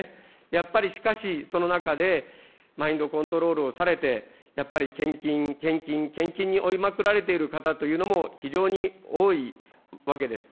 やっぱり、しかし、その中でマインドコントロールをされて、やっぱり献金、献金、献金に追いまくられている方というのも非常に多いわけです。